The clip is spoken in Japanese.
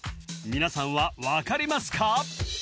皆さんは分かりますか？